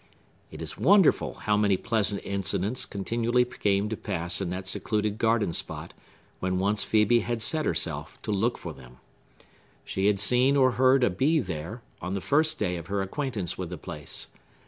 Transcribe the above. It is wonderful how many pleasant incidents continually came to pass in that secluded garden spot when once Phœbe had set herself to look for them. She had seen or heard a bee there, on the first day of her acquaintance with the place.